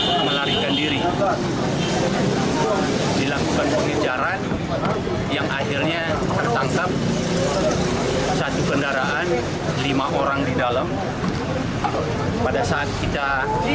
mereka menyerahkan barang kepada kurir yang datang dari aceh